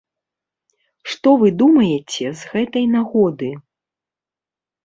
Што вы думаеце з гэтай нагоды?